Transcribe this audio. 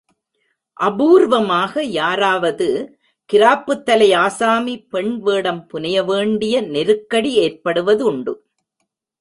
அபூர்வமாக யாராவது கிராப்புத் தலை ஆசாமி, பெண் வேடம் புனைய வேண்டிய நெருக்கடி ஏற்படுவதுண்டு.